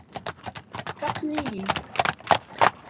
Faqen-iyi.